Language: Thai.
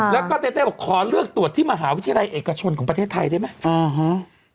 แล้วก็เต้เต้บอกขอเลือกตรวจที่มหาวิทยาลัยเอกชนของประเทศไทยได้ไหมอ่าฮะ